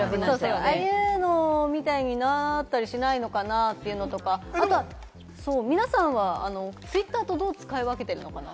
ああいうのみたいになったりしないのかな？というのとか、あと皆さんはツイッターとどう使い分けてるのかな？